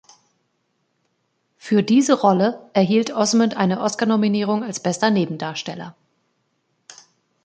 Für diese Rolle erhielt Osment eine Oscar-Nominierung als bester Nebendarsteller.